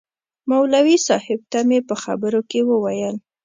مولوي صاحب ته مې په خبرو کې ویل.